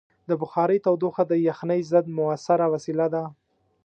د بخارۍ تودوخه د یخنۍ ضد مؤثره وسیله ده.